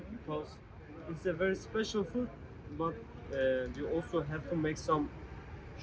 tapi anda juga harus membuat beberapa perusahaan untuk memperkenalkan makanan ini